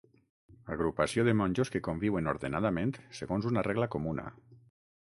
Agrupació de monjos que conviuen ordenadament, segons una regla comuna.